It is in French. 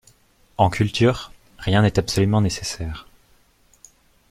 En culture, rien n’est absolument nécessaire.